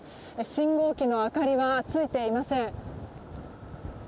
信号機の明かりはついていません。